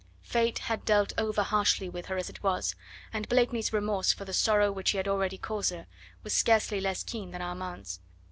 Fate had dealt over harshly with her as it was, and Blakeney's remorse for the sorrow which he had already caused her, was scarcely less keen than Armand's.